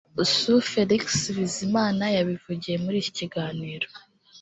Supt Félix Bizimana yabivugiye muri iki kiganiro